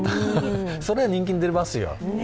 それは人気が出ますよ。